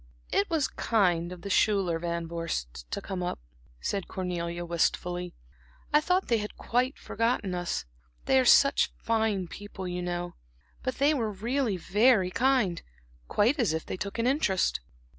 "It was kind of the Schuyler Van Vorsts to come up," said Cornelia, wistfully. "I thought they had quite forgotten us they are such fine people, you know but they were really very kind, quite as if they took an interest."